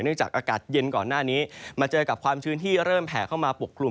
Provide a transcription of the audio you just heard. จากอากาศเย็นก่อนหน้านี้มาเจอกับความชื้นที่เริ่มแผ่เข้ามาปกกลุ่ม